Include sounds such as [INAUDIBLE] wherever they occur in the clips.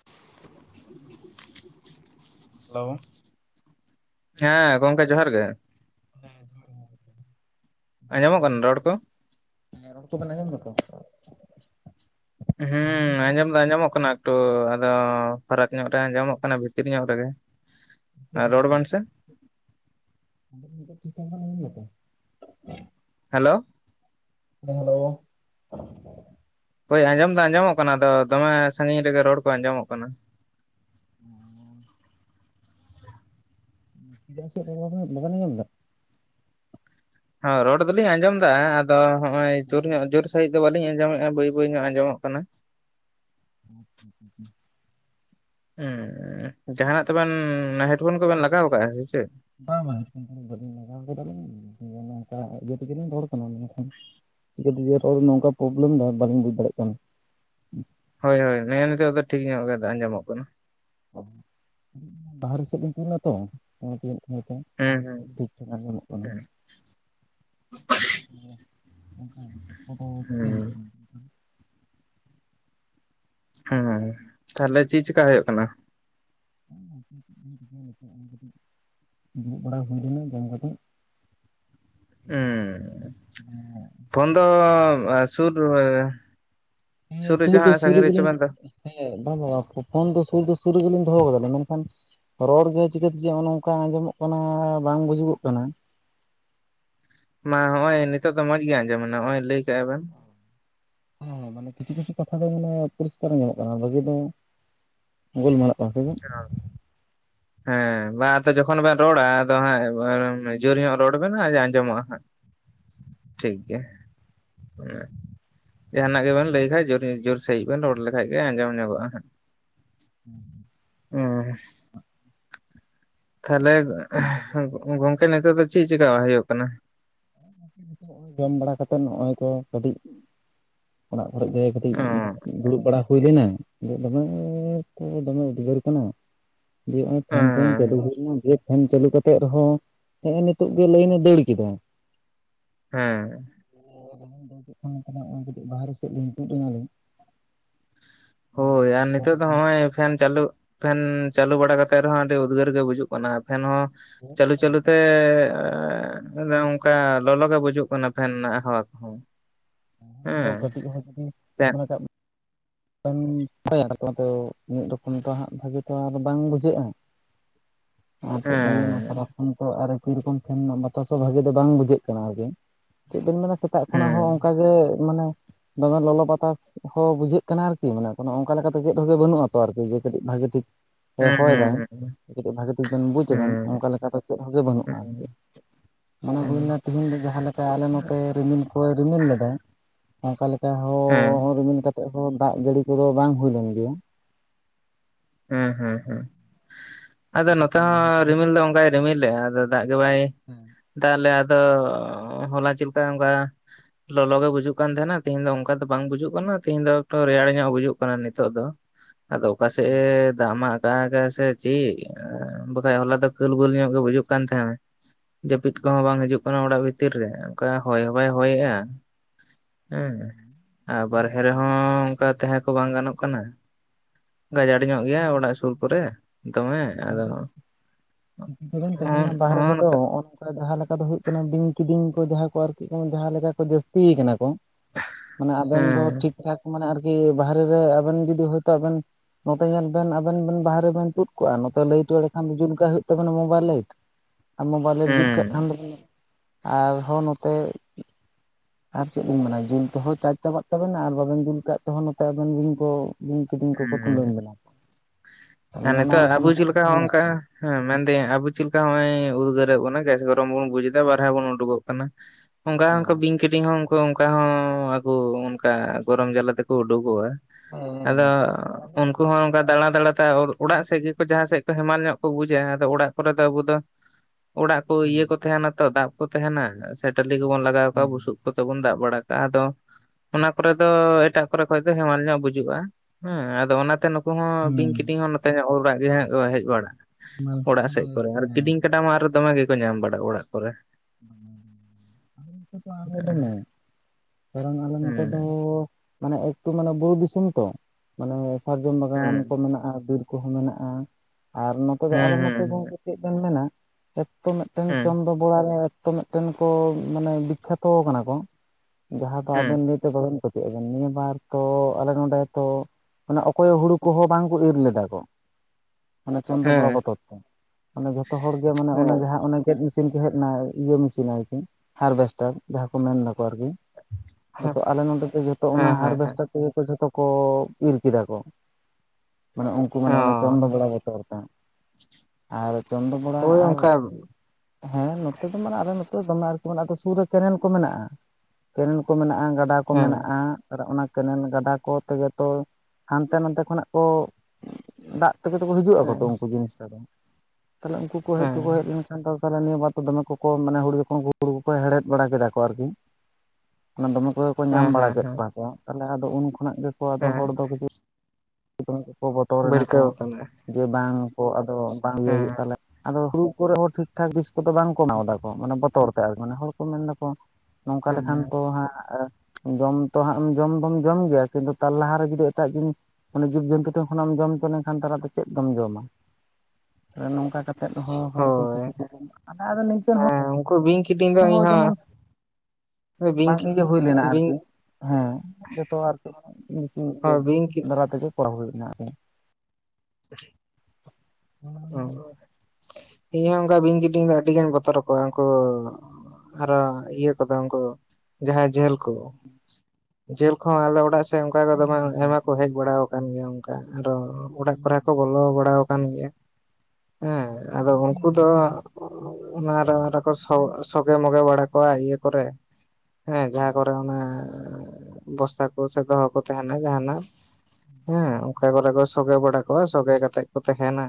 [UNINTELLIGIBLE] Hello. ᱦᱮᱸ ᱜᱚᱝᱠᱮ ᱡᱚᱦᱟᱨ ᱜᱮ ᱾ [UNINTELLIGIBLE] ᱟᱸᱡᱟᱢᱚᱜ ᱫᱤᱭᱮ ᱠᱟᱱᱟ ᱨᱚᱲ ᱠᱚ? ᱦᱮᱸ ᱨᱚᱲ ᱠᱚ ᱵᱮᱱ ᱟᱸᱡᱚᱢ ᱫᱟ ᱛᱚ? ᱦᱮᱸ ᱟᱸᱡᱚᱢ ᱫᱚ ᱟᱸᱡᱚᱢᱚᱜ ᱠᱟᱱᱟ ᱮᱠᱴᱩ ᱟᱫᱚ ᱯᱷᱟᱨᱟᱠ ᱧᱚᱜ ᱨᱮ ᱟᱸᱡᱚᱢᱚᱜ ᱠᱟᱱᱟ, ᱵᱷᱤ ᱵᱷᱤᱛᱨᱤᱧ ᱧᱚᱜ ᱨᱮᱜᱮ, ᱴᱷᱤᱠ ᱜᱮ ᱨᱚᱲ ᱵᱟᱝ ᱥᱮ [UNINTELLIGIBLE] ᱦᱮᱞᱳ ᱾ ᱦᱮᱞᱳ ᱾ ᱦᱳᱭ ᱟᱸᱡᱚᱢ ᱫᱚ ᱟᱸᱡᱚᱢᱚᱜ ᱠᱟᱱᱟ ᱟᱫᱚ ᱫᱚᱢᱮ ᱥᱟᱺᱜᱤᱧ ᱨᱮᱜᱮ ᱨᱚᱲ ᱠᱚ ᱟᱸᱡᱚᱢᱚᱜ ᱠᱟᱱᱟ ᱾ [UNINTELLIGIBLE] [UNINTELLIGIBLE] ᱦᱚ ᱨᱚᱲ ᱫᱚᱞᱤᱧ ᱟᱸᱡᱚᱢ ᱮᱫᱟ ᱟᱫᱚ ᱦᱚᱸᱜ ᱚᱭ ᱥᱩᱨ ᱢᱟᱱᱮ ᱧᱚᱜ ᱡᱳᱨ ᱥᱟᱦᱤᱡ ᱫᱚ ᱵᱟᱹᱞᱤᱧ ᱟᱸᱡᱚᱢᱮᱫᱼᱟ ᱵᱟᱹᱭ ᱵᱟᱹᱭ ᱧᱚᱜ ᱟᱸᱡᱚᱢᱚᱜ ᱠᱟᱱᱟ ᱾ [UNINTELLIGIBLE] ᱦᱩᱸ ᱡᱟᱦᱟ ᱱᱟᱜ ᱛᱮᱵᱮᱱ ᱦᱮᱰᱯᱷᱳᱱ ᱠᱚᱵᱮᱱ ᱞᱟᱜᱟᱣ ᱟᱠᱟᱟᱜᱼᱟ ᱥᱮ ᱪᱮᱫ? ᱵᱟᱝᱟ ᱦᱮᱰᱯᱷᱳᱱ ᱠᱚᱫᱚ ᱵᱟᱹᱞᱤᱧ ᱞᱟᱜᱟᱣ ᱠᱟᱫᱟ ᱞᱤᱧ ᱤᱭᱟᱹ ᱱᱚᱝᱠᱟ ᱛᱮᱜᱮ ᱞᱤᱧ ᱨᱚᱲ ᱠᱟᱱᱟ᱾ ᱪᱤᱠᱟᱹᱛᱮ ᱡᱮ ᱨᱚᱲ ᱱᱚᱝᱠᱟ ᱯᱨᱚᱵᱞᱮᱢ ᱮᱫᱟᱭ ᱵᱟᱞᱤᱧ ᱵᱩᱡᱽ ᱫᱟᱲᱮᱜ ᱠᱟᱱᱟ ᱾ ᱦᱳᱭ ᱦᱳᱭ ᱱᱮ-ᱮ ᱱᱤᱛᱳᱜ ᱫᱚ ᱴᱷᱤᱠ ᱧᱚᱜ ᱜᱮ ᱟᱸᱡᱟᱢᱚᱜ ᱠᱟᱱᱟ᱾ ᱵᱟᱦᱨᱮ ᱥᱮᱫ ᱞᱤᱧ ᱛᱩᱫ ᱞᱮᱱᱟ ᱛᱚ ᱚᱱᱟᱛᱮ ᱡᱟᱱᱤᱡ ᱠᱷᱟᱱ ᱦᱚᱭᱛᱳ᱾ ᱦᱩᱸ ᱦᱩᱸ ᱴᱷᱤᱠ ᱴᱷᱟᱠ ᱟᱸᱡᱚᱢᱚᱜ ᱠᱟᱱᱟ᱾ ᱦᱩᱸ ᱦᱩᱸ [INAUDIBLE] ᱦᱮᱸ ᱦᱮᱸ ᱛᱟᱦᱞᱮ ᱪᱮᱫ ᱪᱮᱠᱟ ᱦᱩᱭᱩᱜ ᱠᱟᱱᱟ? [INAUDIBLE] ᱫᱩᱲᱩᱵ ᱵᱟᱲᱟ ᱦᱩᱭ ᱞᱮᱱᱟ ᱡᱚᱢ ᱠᱟᱛᱮᱫ᱾ ᱩᱸᱻ ᱯᱷᱳᱱ ᱫᱚ ᱥᱩᱨ ᱨᱮ᱾ ᱥᱩᱨ ᱦᱮᱸ ᱨᱮᱪᱚ ᱫᱚ ᱦᱟᱸᱜ ᱥᱩᱨ ᱥᱟᱺᱜᱤᱧ ᱨᱮᱪᱚ ᱵᱮᱱ ᱨᱮᱜᱮᱞᱤᱧ ᱫᱚᱦᱚ ᱦᱮᱸ ᱵᱟᱝ ᱵᱟᱝ ᱵᱟᱝ ᱯᱷᱳᱱ ᱫᱚ ᱥᱩᱨ ᱫᱚ ᱥᱩᱨ ᱨᱮᱜᱮ ᱞᱤᱧ ᱫᱚᱦᱚ ᱠᱟᱫᱟᱞᱤᱧ ᱢᱮᱱᱠᱷᱟᱱ ᱨᱚᱲ ᱜᱮ ᱪᱤᱠᱟᱹᱛᱮ ᱡᱮ ᱦᱚᱸᱜᱼᱚ ᱱᱚᱝᱠᱟ ᱟᱸᱡᱚᱢᱚᱜ ᱠᱟᱱᱟ ᱵᱟᱝ ᱵᱩᱡᱩᱜᱚᱜ ᱠᱟᱱᱟ᱾ ᱢᱟ ᱦᱚᱸᱜᱼᱚᱭ ᱱᱤᱛᱚᱜ ᱫᱚ ᱢᱚᱸᱡᱽ ᱜᱮ ᱟᱸᱡᱚᱢᱮᱱᱟ ᱦᱚᱸᱜ-ᱚᱭ ᱞᱟᱹᱭ ᱠᱮᱜᱼᱟ ᱵᱮᱱ᱾ ᱦᱮᱸ ᱦᱮᱸ ᱢᱟᱱᱮ ᱠᱤᱪᱷᱩ ᱠᱤᱪᱩ ᱠᱟᱛᱷᱟ ᱫᱚ ᱢᱟᱱᱮ ᱯᱚᱨᱤᱥᱠᱟᱨ ᱟᱸᱡᱚᱢᱚᱜ ᱠᱟᱱᱟ, ᱵᱟᱠᱤ ᱫᱚ ᱜᱳᱞᱢᱟᱞᱚᱜ ᱠᱟᱱᱟ ᱥᱮ ᱪᱮᱫ? ᱦᱮᱸ, ᱵᱟᱝ ᱟᱫᱚ ᱡᱚᱠᱷᱚᱱ ᱵᱮᱱ ᱨᱚᱲᱟ ᱟᱫᱚ ᱦᱟᱸᱜ ᱮᱸ ᱡᱳᱨ ᱧᱚᱜ ᱨᱚᱲ ᱵᱮᱱ ᱟᱸᱡᱚ ᱟᱸᱡᱚᱢᱚᱜᱼᱟ ᱦᱟᱸᱜ᱾ [INAUDIBLE] ᱴᱷᱤᱠ ᱜᱮᱭᱟ, ᱢᱟᱱᱮ ᱡᱟᱦᱟᱱᱟᱜ ᱜᱮᱵᱮᱱ ᱞᱟᱹᱭ ᱠᱷᱟᱡ ᱡᱳᱨ ᱧᱚᱜ, ᱡᱳᱨ ᱥᱟᱺᱦᱤᱡ ᱵᱮᱱ ᱨᱚᱲ ᱞᱮᱠᱷᱟᱡ ᱜᱮ ᱟᱸᱡᱚᱢ ᱧᱚᱜᱚᱜᱼᱟ ᱦᱟᱸᱜ᱾ ᱦᱮᱸ ᱦᱮᱸ᱾ ᱚᱸ᱾ ᱛᱟᱦᱞᱮ ᱜᱚᱝᱠᱮ ᱱᱤᱛᱳᱜ ᱫᱚ ᱪᱮᱫ ᱪᱮᱠᱟ ᱦᱩᱭᱩᱜ ᱠᱟᱱᱟ? ᱜᱚᱝᱠᱮ ᱱᱤᱛᱚᱜ ᱦᱚᱸᱜ-ᱚᱭ ᱡᱚᱢ ᱵᱟᱲᱟ ᱠᱟᱛᱮᱫ ᱱᱚᱜᱼᱚᱭ ᱛᱚ ᱠᱟᱹᱴᱤᱡ ᱚᱲᱟᱜ ᱠᱚᱨᱮᱜ ᱜᱮ ᱠᱟᱹᱴᱤᱡ ᱚ ᱫᱩᱲᱩᱵ ᱵᱟᱲᱟ ᱦᱩᱭ ᱞᱮᱱᱟ᱾ ᱫᱤᱭᱮ ᱫᱚᱢᱮ ᱛᱚ ᱫᱚᱢᱮ ᱩᱫᱽᱜᱟᱹᱨ ᱠᱟᱱᱟ, ᱫᱤᱭᱮ ᱦᱚᱸᱜᱼᱚᱭ ᱯᱷᱮᱱ ᱴᱮᱱ ᱦᱮᱸ ᱪᱟᱹᱞᱩ ᱦᱩᱭ ᱞᱮᱱᱟ ᱫᱤᱭᱮ ᱯᱷᱮᱱ ᱪᱟᱹᱞᱩ ᱠᱟᱛᱮᱜ ᱨᱮᱦᱚᱸ, ᱦᱮᱸᱜᱼ ᱮ ᱱᱤᱛᱚᱜ ᱜᱮ ᱞᱟᱹᱭᱤᱱᱮ ᱫᱟᱹᱲ ᱠᱮᱫᱟ᱾ ᱦᱮᱸ᱾ [INAUDIBLE] ᱫᱟᱹᱲ ᱠᱮᱫ ᱠᱷᱟᱱ ᱫᱚ ᱛᱟᱦᱞᱮ ᱦᱚᱸᱜ-ᱚᱭ ᱠᱟᱹᱴᱤᱡ ᱵᱟᱦᱨᱮ ᱥᱮᱫ ᱞᱤᱧ ᱛᱩᱫ ᱮᱱᱟᱞᱤᱧ᱾ ᱦᱳᱭ ᱚᱱᱟ ᱟᱨ ᱚᱠᱛᱚᱨ ᱱᱤᱛᱚᱜ ᱫᱚ ᱜᱮ ᱦᱚᱸᱜ-ᱚᱭ ᱯᱷᱮᱱ ᱪᱟᱞᱩ ᱯᱷᱮᱱ ᱪᱟᱹᱞᱩ ᱵᱟᱲᱟ ᱠᱟᱛᱮᱫ ᱨᱮᱦᱚᱸ ᱟᱹᱰᱤ ᱩᱫᱽᱜᱟᱹᱨ ᱜᱮ ᱵᱩᱡᱩᱜ ᱠᱟᱱᱟ ᱯᱷᱮᱱ ᱦᱚᱸ ᱪᱟᱹᱞᱩ ᱪᱟᱹᱞᱩ ᱛᱮ ᱮᱸ ᱟᱫᱚ ᱚᱱᱠᱟ ᱞᱚᱞᱚ ᱜᱮ ᱵᱩᱡᱩᱜ ᱠᱟᱱᱟ ᱯᱷᱮᱱ ᱨᱮᱱᱟᱜ ᱦᱟᱣᱟ ᱠᱚᱦᱚᱸ᱾ ᱦᱮᱸ ᱦᱮᱸ ᱟᱫᱚ ᱠᱟᱹᱴᱤᱡ ᱦᱚᱸ ᱡᱩᱫᱤ ᱦᱮᱸ ᱢᱚᱱᱮ ᱠᱟᱜ ᱢᱮ [INAUDIBLE] ᱢᱤᱫ ᱨᱚᱠᱚᱢ ᱛᱚ ᱦᱟᱸᱜ ᱵᱷᱟᱹᱜᱮ ᱛᱚ ᱟᱨ ᱵᱟᱝ ᱵᱩᱡᱷᱟᱹᱜᱼᱟ᱾ ᱟᱨ ᱪᱮᱫ ᱵᱮᱱ ᱢᱮᱱᱟ ᱦᱮᱸ ᱥᱟᱨᱟᱠᱷᱚᱱ ᱛᱚ ᱟᱨ ᱮᱠᱤ ᱨᱚᱠᱚᱢ ᱯᱷᱮᱱ ᱨᱮᱱᱟᱜ ᱵᱟᱛᱟᱥ ᱦᱚᱸ ᱵᱷᱟᱜᱮ ᱫᱚ ᱵᱟᱝ ᱵᱩᱡᱷᱟᱹᱜ ᱠᱟᱱᱟ ᱟᱨᱠᱤ, ᱪᱮᱫ ᱵᱮᱱ ᱢᱮᱱᱟ ᱛᱟᱜ ᱠᱷᱚᱱᱟᱜ ᱦᱚᱸ ᱦᱮᱸ ᱚᱱᱠᱟ ᱜᱮ ᱢᱟᱱᱮ ᱫᱚᱢᱮ ᱞᱚᱞᱚ ᱯᱟᱛᱟᱥ ᱦᱚᱸ ᱵᱩᱡᱷᱟᱹᱜ ᱠᱟᱱᱟ ᱟᱨᱠᱤ ᱢᱟᱱᱮ ᱠᱚᱱᱚ ᱚᱱᱠᱟ ᱞᱮᱠᱟ ᱛᱮ ᱪᱮᱫ ᱦᱚᱸᱜᱮ ᱵᱟᱹᱱᱩᱜ-ᱟ ᱛᱚ ᱟᱨᱠᱤ, ᱠᱟᱹᱴᱤᱡ ᱵᱷᱟᱜᱤ ᱴᱷᱤᱠᱼᱼ ᱥᱮ ᱦᱮᱸ ᱦᱚᱭ ᱫᱟᱭ ᱦᱮᱸ ᱠᱟᱹᱴᱤᱡ ᱵᱷᱟᱜᱮ ᱴᱷᱤᱠ ᱵᱮᱱ ᱵᱩᱡ ᱟᱵᱮᱱ, ᱦᱮᱸ ᱚᱱᱠᱟ ᱞᱮᱠᱟ ᱫᱚ ᱪᱮᱫ ᱦᱚᱸᱜᱮ ᱵᱟᱹᱱᱩᱜᱼᱟ᱾ ᱢᱚᱱᱮ ᱦᱩᱭ ᱞᱮᱱᱟ ᱛᱮᱦᱤᱧ ᱫᱚ ᱡᱟᱦᱟᱸ ᱞᱮᱠᱟ ᱟᱞᱮ ᱱᱚᱛᱮ ᱨᱤᱢᱤᱞ ᱠᱚᱭ ᱨᱤᱢᱤᱞ ᱞᱮᱫᱟᱭ ᱚᱱᱠᱟ ᱞᱮᱠᱟ ᱦᱮᱸ ᱦᱮᱸ ᱦᱚᱸ ᱨᱤᱢᱤᱞ ᱠᱟᱛᱮᱫ ᱦᱚᱸ ᱫᱟᱜ ᱡᱟᱹᱲᱤ ᱠᱚᱫᱚ ᱵᱟᱝ ᱦᱩᱭᱞᱮᱱ ᱜᱮᱭᱟ᱾ ᱦᱮᱸ ᱦᱮᱸ ᱦᱮᱸ, ᱟᱫᱚ ᱠᱤᱪᱷᱩ ᱱᱚᱛᱮ ᱠᱷᱚᱱ ᱞᱟᱦᱟ ᱦᱚᱸ ᱛᱮᱜᱮ ᱨᱤᱢᱤᱞ ᱫᱚ ᱚᱱᱠᱟᱭ ᱨᱤᱢᱤᱞ ᱞᱮᱜ-ᱟ, ᱟᱫᱚ ᱫᱟᱜ ᱜᱮ ᱵᱟᱭ ᱦᱮᱸ᱾ ᱫᱟᱜ ᱞᱮᱜ-ᱟ ᱟᱫᱚ ᱦᱚᱞᱟ ᱪᱮᱫ ᱞᱮᱠᱟ ᱚᱱᱠᱟ ᱞᱚᱞᱚ ᱜᱮ ᱵᱩᱡᱩᱜ ᱠᱟᱱ ᱛᱟᱦᱮᱱᱟ ᱛᱤᱦᱤᱧ ᱫᱚ ᱚᱱᱠᱟ ᱫᱚ ᱵᱟᱝ ᱵᱩᱡᱩᱜ ᱠᱟᱱᱟ ᱛᱤᱦᱤᱧ ᱫᱚ ᱮᱠᱴᱩ ᱨᱮᱭᱟᱲ ᱧᱚᱜ ᱵᱩᱡᱩᱜ ᱠᱟᱱᱟ ᱱᱤᱛᱚᱜ ᱫᱚ᱾ ᱟᱫᱚ ᱚᱠᱟ ᱥᱮᱫ-ᱮ ᱫᱟᱜ ᱢᱟᱜ ᱫᱟᱜ-ᱟᱭ ᱥᱮ ᱪᱮᱫ, ᱮᱸ ᱵᱟᱠᱷᱟᱡ ᱦᱚᱞᱟ ᱫᱚ ᱠᱟᱹᱞ ᱵᱟᱹᱞ ᱧᱚᱜ ᱜᱮ ᱵᱩᱡᱩᱜ ᱠᱟᱱ ᱛᱟᱦᱮᱸ᱾ ᱡᱟᱹᱯᱤᱫ ᱠᱚᱦᱚᱸ ᱵᱟᱝ ᱦᱤᱡᱩᱜ ᱠᱟᱱᱟ ᱚᱲᱟᱜ ᱵᱷᱤᱛᱤᱨ ᱨᱮ ᱚᱱᱠᱟ ᱦᱚᱭ ᱦᱚ ᱵᱟᱭ ᱦᱚᱭᱮᱜᱼᱟ ᱾ ᱦᱮᱸ ᱟᱨ ᱵᱟᱨᱦᱮ ᱨᱮᱦᱚᱸ ᱚᱱᱠᱟ ᱛᱟᱦᱮᱸ ᱠᱚ ᱵᱟᱝ ᱜᱟᱱᱚᱜ ᱠᱟᱱᱟ ᱾ ᱜᱟᱡᱟᱲ ᱧᱚᱜ ᱜᱮᱭᱟ ᱚᱲᱟᱜ ᱥᱩᱨ ᱠᱚᱨᱮ ᱫᱚᱢᱮ ᱟᱫᱚ ᱚᱱᱠᱟ ᱪᱤᱠᱟᱹ ᱛᱮᱵᱮᱱ ᱛᱟᱦᱮᱱᱟ [INAUDIBLE] ᱵᱟᱦᱨᱮ ᱨᱮᱫᱚ ᱚᱱᱼᱚᱱᱠᱟ ᱾ ᱱᱚᱜᱼᱚ ᱱᱚᱝᱠᱟ ᱡᱟᱦᱟᱸ ᱞᱮᱠᱟ ᱫᱚ ᱦᱩᱭᱩᱜ ᱠᱟᱱᱟ ᱵᱤᱧ ᱠᱤᱫᱤᱧ ᱠᱚ ᱡᱟᱦᱟᱸ ᱠᱚ ᱟᱨᱠᱤ ᱡᱟᱦᱟᱸ ᱞᱮᱠᱟ ᱠᱚ ᱡᱟᱹᱥᱛᱤ ᱟᱠᱟᱱᱟ ᱠᱚ [INAUDIBLE] ᱢᱟᱱᱮ ᱟᱵᱮᱱ ᱫᱚ ᱦᱮᱸ ᱴᱷᱤᱠ ᱴᱷᱟᱠ ᱢᱟᱱᱮ ᱟᱨᱠᱤ ᱵᱟᱨᱦᱨᱮ ᱨᱮ ᱟᱵᱮᱱ ᱡᱩᱫᱤ ᱦᱳᱭᱛᱳ ᱟᱵᱮᱱ ᱱᱚᱛᱮ ᱧᱮᱞ ᱵᱮᱱ ᱟᱵᱮᱱ ᱵᱮᱱ ᱵᱟᱦᱨᱮ ᱵᱮᱱ ᱛᱩᱫ ᱠᱚᱜᱼᱟ ᱱᱚᱛᱮ ᱞᱟᱹᱭᱤᱴ [UNINTELLIGIBLE] ᱠᱷᱟᱱ ᱡᱩᱞᱼᱠᱟᱜ ᱦᱩᱭᱩᱜ ᱛᱟᱵᱮᱱᱟ ᱢᱳᱵᱟᱭᱤᱞ ᱞᱟᱭᱤᱴ ᱾ ᱟᱨ ᱢᱳᱵᱟᱭᱤᱞ ᱞᱟᱭᱤᱴ ᱡᱩᱞ ᱠᱟᱜ ᱠᱷᱟᱱ ᱦᱮᱸ ᱫᱚ [INAUDIBLE] ᱟᱨᱦᱚᱸ ᱱᱚᱛᱮ ᱟᱨ ᱪᱮᱫ ᱞᱤᱧ ᱢᱮᱱᱟ ᱡᱩᱞ ᱛᱮᱦᱚᱸ ᱪᱟᱨᱡᱽ ᱪᱟᱵᱟᱜ ᱛᱟᱵᱮᱱᱟ ᱟᱨ ᱵᱟᱵᱮᱱ ᱡᱩᱞ ᱠᱟᱫ ᱛᱮᱦᱚᱸ ᱱᱚᱛᱮ ᱟᱵᱮᱱ ᱵᱤᱧ ᱠᱚ ᱠᱤᱫᱤᱱ ᱠᱚᱠᱚ ᱛᱩᱞᱟᱹᱢ ᱦᱮᱸ ᱵᱮᱱᱟ ᱟᱨ [INAUDIBLE] ᱱᱟᱱᱟ ᱱᱤᱛᱚᱜ ᱨᱚᱠᱚᱢ ᱟᱵᱚ ᱪᱮᱫ ᱞᱮᱠᱟ ᱦᱚᱸ ᱥᱚᱢᱚᱥ ᱚᱱᱠᱟ ᱦᱮᱸ ᱢᱮᱱᱫᱟᱹᱧ ᱟᱵᱚ ᱪᱮᱫ ᱞᱮᱠᱟ ᱱᱚᱜᱼᱚᱭ ᱩᱫᱽᱜᱟᱹᱨᱮᱜ ᱵᱚᱱᱟ ᱜᱮᱥ ᱜᱚᱨᱚᱢ ᱵᱚᱱ ᱵᱩᱡ ᱮᱫᱟ ᱵᱟᱨᱦᱮᱸ ᱵᱚᱱ ᱩᱰᱩᱠᱚᱜ ᱠᱟᱱᱟ ᱾ [INAUDIBLE] ᱚᱱᱠᱟ ᱚᱱᱠᱟ ᱵᱤᱧ ᱠᱤᱫᱤᱧ ᱦᱚᱸ ᱩᱱᱠᱩ ᱚᱱᱠᱟ ᱦᱚᱸ ᱟᱠᱚ ᱚᱱᱠᱟ ᱜᱚᱨᱚᱢ ᱡᱟᱞᱟ ᱛᱮᱠᱚ ᱩᱰᱩᱠᱚᱜᱼᱟ ᱾ ᱟᱫᱚᱻ ᱜᱚᱝᱠᱮ ᱟᱞᱮ ᱟᱞᱮ ᱩᱱᱠᱩ ᱦᱚᱸ ᱚᱱᱠᱟ ᱫᱟᱬᱟ ᱫᱟᱬᱟ ᱛᱮ ᱚᱲᱟᱜ ᱥᱮᱫ ᱜᱮᱠᱚ ᱡᱟᱦᱟᱸ ᱥᱮᱡ ᱠᱚ ᱦᱮᱢᱟᱞ ᱧᱚᱜ ᱠᱚ ᱵᱩᱡᱟ ᱟᱫᱚ ᱚᱲᱟᱜ ᱠᱚᱨᱮ ᱫᱚ ᱟᱵᱚ ᱫᱚ ᱚᱲᱟᱜ ᱠᱚ ᱦᱮᱸ ᱤᱭᱟᱹ ᱠᱚ ᱛᱟᱦᱮᱱᱟ ᱛᱚ ᱫᱟᱜ ᱠᱚ ᱛᱟᱦᱮᱱᱟ ᱥᱮ ᱴᱟᱹᱞᱤ ᱠᱚᱵᱚᱱ ᱞᱟᱜᱟᱣ ᱠᱟᱜᱼᱟ ᱦᱮᱸ ᱵᱩᱥᱩᱵ ᱠᱚᱛᱮ ᱵᱚᱱ ᱫᱟᱵ ᱵᱟᱲᱟ ᱠᱟᱜᱼᱟ ᱾ ᱟᱫᱚ [INAUDIBLE] ᱚᱱᱟ ᱠᱚᱨᱮ ᱫᱚ ᱮᱴᱟᱜ ᱠᱚᱨᱮ ᱠᱷᱚᱡ ᱫᱚ ᱦᱮᱢᱟᱞ ᱧᱚᱜ ᱵᱩᱡᱩᱜᱼᱟ ᱾ ᱦᱮᱸ ᱟᱫᱚ ᱚᱱᱟᱛᱮ ᱱᱩᱠᱩ ᱦᱚᱸ ᱵᱤᱧ ᱦᱮᱸ ᱠᱤᱫᱤᱧ ᱦᱚᱸ ᱱᱚᱛᱮ ᱦᱚᱲ ᱚᱲᱟᱜ ᱜᱮ ᱦᱟᱜ ᱠᱚ ᱦᱮᱡ ᱵᱟᱲᱟᱜᱼᱟ ᱚᱱᱟ ᱾ ᱚᱲᱟᱜ ᱚᱱᱟ ᱥᱮᱫ ᱠᱚᱨᱮ ᱜᱮᱠᱚ ᱟᱨ ᱯᱟᱸᱡᱟᱭᱟ᱾ ᱠᱤᱫᱤᱧ ᱠᱟᱴᱟ ᱢᱟ ᱟᱨᱚ ᱫᱚᱢᱮ ᱜᱮᱠᱚ ᱧᱟᱢ ᱵᱟᱲᱟᱜᱼᱟ ᱚᱲᱟᱜ ᱠᱚᱨᱮ ᱾ [INAUDIBLE] ᱵᱟᱦᱨᱮ ᱦᱮᱸ ᱠᱟᱹᱢᱤ [INAUDIBLE] ᱠᱟᱨᱚᱱ ᱟᱞᱮ ᱱᱚᱛᱮ ᱫᱚᱻ ᱦᱮᱸ ᱢᱟᱱᱮ ᱮᱠᱴᱩ ᱢᱟᱱᱮ ᱵᱩᱨᱩ ᱫᱤᱥᱚᱢ ᱛᱚ ᱢᱟᱱᱮ ᱥᱟᱨᱡᱚᱢ ᱵᱟᱜᱟᱱ ᱠᱚ ᱦᱮᱸ ᱢᱮᱱᱟᱜᱼᱟ ᱵᱤᱨ ᱠᱚᱦᱚᱸ ᱢᱮᱱᱟᱜᱼᱟ ᱾ [INAUDIBLE] ᱟᱨ ᱱᱚᱛ ᱮ ᱫᱚ ᱟᱞᱮ ᱦᱮᱸ ᱱᱚᱛᱮ ᱦᱮᱸ ᱜᱚᱝᱠᱮ ᱪᱮᱫ ᱵᱮᱱ ᱢᱮᱱᱟ ᱮᱛᱛᱚ ᱢᱤᱫᱴᱮᱱ ᱦᱮᱸ ᱪᱚᱱᱫᱨᱚ ᱵᱚᱲᱟ ᱨᱮ ᱮᱛᱛᱛᱚ ᱢᱤᱫᱴᱮᱱ ᱠᱚ ᱢᱟᱱᱮ ᱵᱤᱠᱠᱷᱟᱛᱚ ᱟᱠᱟᱱᱟ ᱠᱚ ᱡᱟᱦᱟᱸ ᱫᱚ ᱦᱮᱸ ᱟᱵᱮᱱ ᱱᱤᱛ ᱵᱟᱵᱮᱱ [UNINTELLIGIBLE] ᱱᱤᱭᱟᱹ ᱵᱟᱨ ᱛᱚ ᱟᱞᱮ ᱱᱚᱰᱮ ᱦᱚᱸ ᱛᱚ ᱢᱟᱱᱮ ᱚᱠᱚᱭ ᱦᱚᱸ ᱦᱩᱲᱩ ᱠᱚᱦᱚᱸ ᱵᱟᱝᱠᱚ ᱤᱨ ᱞᱮᱫᱟ ᱠᱚ ᱾ ᱢᱟᱱᱮ ᱪᱚᱱᱫᱨᱚ ᱵᱚᱲᱟ ᱦᱮᱸ ᱵᱚᱛᱚᱨ ᱛᱮ, ᱢᱟᱱᱮ ᱡᱷᱚᱛᱚ ᱦᱚᱲᱜᱮ ᱢᱟᱱᱮ ᱦᱮᱸ ᱚᱱᱮ ᱡᱟᱦᱟᱸ ᱚᱱᱮ ᱜᱮᱫ ᱢᱮᱥᱤᱱ ᱠᱚ ᱦᱮᱡ ᱮᱱᱟ ᱤᱭᱟᱹ ᱢᱮᱥᱤᱱ ᱟᱨᱠᱤ ᱦᱟᱨᱵᱷᱮᱥᱴᱟᱨ ᱾ ᱡᱟᱦᱟᱸ ᱠᱚ ᱢᱮᱱ ᱮᱫᱟᱠᱚ ᱟᱨᱠᱤ ᱾ [INAUDIBLE] ᱡᱚᱛᱚ ᱟᱞᱮ ᱱᱚᱰᱮ ᱫᱚ ᱡᱚᱛᱚ ᱚᱱᱟ ᱦᱮᱸ ᱦᱮᱸ ᱦᱮᱸ ᱦᱟᱨᱵᱮᱥᱴᱟᱨ ᱤᱭᱟᱹ ᱠᱚ ᱡᱷᱚᱛᱚ ᱠᱚ ᱤᱨ ᱠᱮᱫᱟ ᱠᱚ ᱾ ᱢᱟᱱᱮ ᱩᱱᱠᱩ ᱚ ᱢᱟᱱᱮ ᱚᱱᱟ ᱪᱚᱱᱫᱨᱚ ᱵᱚᱲᱟ ᱵᱚᱛᱚᱨ ᱛᱮ ᱾ ᱟᱨ ᱪᱚᱱᱫᱨᱚ ᱵᱚᱲᱟ ᱦᱳᱭ ᱟᱨ ᱚᱱᱠᱟ ᱦᱮᱸ [INAUDIBLE] ᱦᱮᱸ ᱱᱚᱛᱮ ᱫᱚ ᱢᱟᱱᱮ ᱟᱞᱮ ᱱᱚᱛᱮ ᱫᱚ ᱫᱚᱢᱮ ᱟᱨᱠᱤ ᱥᱩᱨ ᱨᱮ ᱠᱮᱱᱮᱞ ᱠᱚ ᱢᱮᱱᱟᱜᱼᱟ ᱾ ᱠᱮᱱᱮᱞ ᱠᱚ ᱢᱮᱱᱟᱜᱼᱟ ᱜᱟᱰᱟ ᱠᱚ ᱦᱮᱸ ᱢᱮᱱᱟᱜᱼᱟ ᱾ ᱟᱨ ᱚᱱᱟ ᱠᱮᱱᱮᱞ ᱜᱟᱰᱟ ᱠᱚ ᱛᱮᱜᱮ ᱛᱚ ᱦᱟᱱᱛᱮ ᱱᱟᱛᱮ ᱠᱷᱚᱱᱟᱜ ᱠᱚ [INAUDIBLE] ᱫᱟᱜ ᱛᱮᱜᱮ ᱛᱚ ᱠᱚ ᱦᱤᱡᱩᱜᱼᱟ ᱠᱚ ᱦᱮᱸ ᱛᱚ ᱩᱱᱠᱩ ᱡᱤᱱᱤᱥᱴᱟᱜ ᱫᱚ ᱾ [INAUDIBLE] ᱛᱟᱦᱞᱮ ᱩᱱᱠᱩ ᱠᱚ ᱦᱮᱡ ᱦᱮᱸ ᱠᱚᱠᱚ ᱦᱮᱡ ᱞᱮᱱᱠᱷᱟᱱ ᱫᱚ ᱛᱟᱦᱚᱞᱮ ᱱᱤᱭᱟᱹᱵᱟᱨ ᱫᱚᱢᱮ ᱠᱚᱠᱚᱢ ᱢᱟᱱᱮ ᱦᱩᱲᱩ ᱡᱚᱠᱷᱚᱱ ᱦᱩᱲᱩ ᱠᱚᱠᱚ ᱦᱮᱲᱦᱮᱫ ᱵᱟᱲᱟ ᱠᱮᱫᱟ ᱠᱚ ᱟᱨᱠᱤ ᱾ [INAUDIBLE] ᱚᱱᱟ ᱫᱚᱢᱮ ᱠᱚ ᱠᱚ ᱧᱟᱢ ᱵᱟᱲᱟ ᱦᱮᱸ ᱠᱮᱫ ᱦᱮᱸ ᱠᱚᱣᱟ ᱠᱚ, ᱛᱟᱦᱚᱞᱮ ᱟᱫᱚ ᱩᱱ ᱠᱷᱚᱱᱟᱜ ᱜᱮᱠᱚ ᱟᱫᱚ ᱦᱮᱸ ᱦᱚᱲ ᱫᱚ ᱠᱤᱪᱷᱩ ᱤᱨ ᱠᱚᱠᱚ ᱵᱚᱛᱚᱨᱮᱱᱟ ᱠᱚ ᱵᱷᱤᱲᱠᱟᱹᱣ ᱟᱠᱟᱱᱟ ᱡᱮ ᱵᱟᱝ ᱠᱚ ᱟᱫᱚ ᱵᱟᱝ ᱤᱭᱟᱹ ᱦᱩᱭᱩᱜ ᱦᱮᱸ ᱛᱟᱞᱮᱭᱟ ᱾ ᱟᱫᱚ ᱦᱩᱲᱩ ᱠᱚᱨᱮᱦᱚᱸ ᱴᱷᱤᱠ ᱴᱷᱟᱠ ᱵᱤᱥ ᱠᱚᱫᱚ ᱵᱟᱝᱠᱚ ᱮᱢᱟᱣ ᱟᱫᱟᱠᱚ ᱢᱟᱱᱮ ᱵᱚᱛᱚᱨ ᱛᱮ ᱟᱨ ᱢᱟᱱᱮ ᱦᱚᱲ ᱠᱚ ᱢᱮᱱᱫᱟᱠᱚ ᱱᱚᱝᱠᱟ ᱦᱮᱸ ᱞᱮᱠᱷᱟᱱ ᱛᱚ ᱦᱟᱸᱜ ᱮ ᱡᱚᱢ ᱛᱚ ᱦᱟᱸᱜ ᱡᱚᱢ ᱫᱚᱢ ᱡᱚᱢ ᱜᱮᱭᱟ ᱠᱤᱱᱛᱩ ᱛᱟᱨ ᱞᱟᱦᱟᱨᱮ ᱡᱩᱫᱤ ᱮᱴᱟᱜ ᱡᱤᱱ ᱡᱤᱵ ᱡᱚᱱᱛᱩ ᱴᱷᱮᱱ ᱠᱷᱚᱱᱟᱜ ᱮᱢ ᱡᱚᱢ ᱦᱚᱪᱚ ᱞᱮᱱᱠᱷᱟᱱ ᱛᱟᱦᱞᱮ ᱟᱫᱚ ᱪᱮᱫ ᱫᱚᱢ ᱡᱚᱢᱟ ᱾ [INAUDIBLE] ᱢᱟᱱᱮ ᱱᱚᱝᱠᱟ ᱠᱟ ᱛᱮᱫ ᱦᱚ ᱦᱚᱲ ᱠᱚ ᱦᱳᱭ ᱠᱤᱪᱷᱩ ᱠᱚ ᱟᱫᱚ ᱱᱤᱝᱠᱟᱹᱱ [INAUDIBLE] ᱦᱚᱸ ᱦᱮᱸ ᱩᱱᱠᱩ ᱵᱤᱧ ᱠᱤᱫᱤᱧ ᱫᱚ ᱤᱧᱦᱚᱸ ᱡᱮᱢᱚᱱ [INAUDIBLE] ᱵᱤᱧ ᱵᱟᱝ ᱤᱭᱟᱹ ᱦᱩᱭ ᱞᱮᱱᱟ, ᱵᱤᱧ ᱟᱨᱠᱤ ᱦᱮᱸ ᱡᱚᱛᱚ ᱟᱨᱠᱤ [UNINTELLIGIBLE] ᱦᱳᱭ ᱢᱟᱱᱮ ᱵᱤᱧ ᱠᱤᱫᱤᱧ ᱛᱟᱞᱟ ᱛᱮᱜᱮ ᱠᱚᱨᱟᱣ ᱦᱩᱭ ᱠᱟᱱᱟ᱾ [UNINTELLIGIBLE] ᱟᱨᱠᱤ [INAUDIBLE] ᱤᱧ ᱦᱚᱸ, ᱚᱱᱠᱟ ᱵᱤᱧ ᱠᱤᱫᱤᱧ ᱫᱚ ᱟᱹᱰᱤ ᱜᱟᱱ ᱵᱚᱛᱚᱨ ᱟᱠᱚᱣᱟ ᱩᱱᱠᱩ᱾ ᱟᱨᱚ ᱤᱭᱟᱹ ᱠᱚᱫᱚ, ᱩᱱᱠᱩ ᱡᱟᱦᱟᱸᱭ ᱡᱷᱟᱹᱞ ᱡᱷᱟᱹᱞ ᱠᱚᱦᱚᱸ, ᱟᱞᱮ ᱚᱲᱟᱜ ᱥᱮᱫ ᱚᱱᱠᱟᱫᱚ ᱫᱚᱢᱮ ᱟᱭᱢᱟ ᱠᱚ ᱦᱮᱡ ᱵᱟᱲᱟ ᱟᱠᱟ ᱠᱟᱱ ᱜᱮᱭᱟ ᱚᱱᱠᱟ, ᱟᱨᱚ ᱚᱲᱟᱜ ᱠᱚᱨᱮ ᱦᱚᱸᱠᱚ ᱵᱚᱞᱚ ᱵᱟᱲᱟ ᱟᱠᱟᱱ ᱜᱮᱭᱟ᱾ ᱦᱮᱸ ᱟᱫᱚ ᱩᱱᱠᱩ ᱫᱚ ᱚᱱᱟ ᱨᱮ ᱠᱚ ᱥᱚᱜ ᱥᱚᱜ ᱵᱩᱜᱮ ᱢᱚᱜᱮ ᱵᱟᱲᱟ ᱠᱚᱣᱟ ᱤᱭᱟᱹ ᱠᱚᱨᱮ, ᱦᱮᱸ ᱦᱩᱸ ᱡᱟᱦᱟᱸ ᱠᱚᱨᱮ ᱚᱱᱟ ᱵᱚᱥᱛᱟ ᱠᱚ ᱥᱮ ᱫᱚᱦᱚ ᱠᱚ ᱛᱟᱦᱮᱱᱟ ᱡᱟᱦᱱᱟᱜ ᱦᱮᱸ᱾ ᱚᱠᱟ ᱠᱚᱨᱮ ᱠᱚ ᱥᱚᱜᱮ ᱵᱟᱲᱟ ᱠᱚᱣᱟ, ᱥᱚᱜᱮ ᱠᱟᱛᱮ ᱠᱚ ᱛᱟᱦᱮᱱᱟ᱾